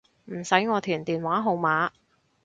唔使我填電話號碼